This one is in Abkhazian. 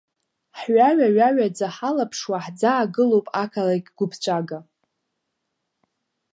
Ҳҩаҩа-ҩаҩаӡа ҳалаԥшуа ҳӡаагылоуп ақалақь гәыԥҵәага.